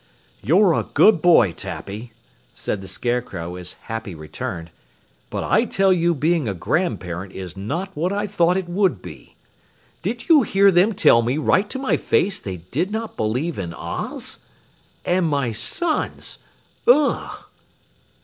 "You're a good boy, Tappy," said the Scarecrow as Happy returned, "but I tell you being a grandparent is not what I thought it would be. Did you hear them tell me right to my face they did not believe in Oz? And my sons ugh!"